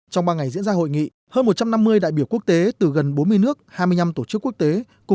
trong ba ngày diễn ra hội nghị hơn một trăm năm mươi đại biểu quốc tế từ gần bốn mươi nước hai mươi năm tổ chức quốc tế